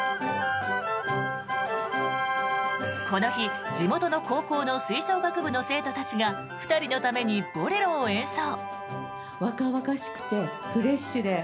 この日、地元の高校の吹奏楽部の生徒たちが２人のために「ボレロ」を演奏。